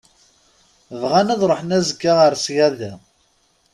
Bɣan ad ṛuḥen azekka ar ṣṣyada.